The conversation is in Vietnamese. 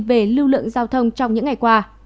về lượng giao thông trong những ngày qua